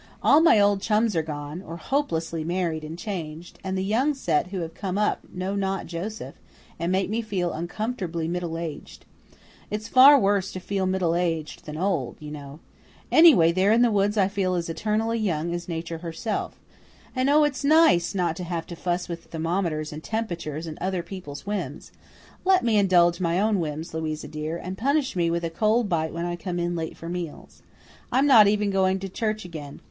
All my old chums are gone, or hopelessly married and changed, and the young set who have come up know not Joseph, and make me feel uncomfortably middle aged. It's far worse to feel middle aged than old, you know. Away there in the woods I feel as eternally young as Nature herself. And oh, it's so nice not having to fuss with thermometers and temperatures and other people's whims. Let me indulge my own whims, Louisa dear, and punish me with a cold bite when I come in late for meals. I'm not even going to church again.